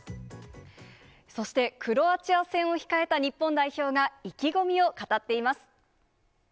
そして、クロアチア戦を控えた日本代表が、意気込みを語っています。